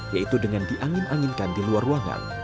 yaitu dengan diangin anginkan di luar ruangan